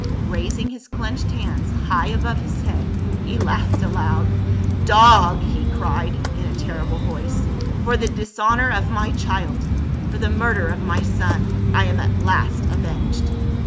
Raising his clenched hands high above his head he laughed aloud. " Dog!" he cried in a terrible voice, " for the dishonor of my child, for the murder of my 106 PA UL. son, I am at last avenged."